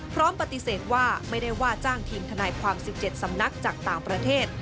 พร้อมปฏิเสธว่าไม่ได้ว่าจ้างทีมทนายความ๑๗สำนักจากต่างประเทศ